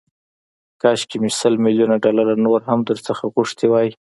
کاشکي مې سل ميليونه ډالر نور هم درنه غوښتي وای.